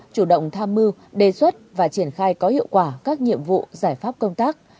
chủ động tham mưu đề xuất và triển khai có hiệu quả các nhiệm vụ giải pháp công tác